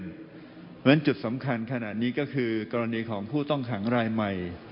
เพราะฉะนั้นจุดสำคัญขนาดนี้ก็คือกรณีของผู้ต้องขังรายใหม่